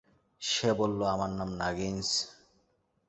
সে বলল, আমার নাম নাগিন্স।